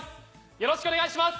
よろしくお願いします！